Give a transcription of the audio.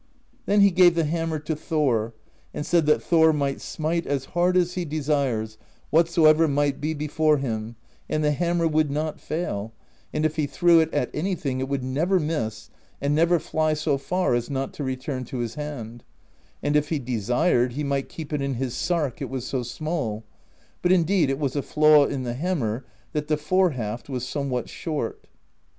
Then he gave the hammer to Thor, and said that Thor might smite as hard as he desired, whatsoever might be before him, and the hammer would not fail; and if he threw it at anything, it would never miss, and never fly so far as not to return to his hand; and if he desired, he might keep it in his sark, it was so small; but indeed it was a flaw in the hammer that the fore haft was somewhat short.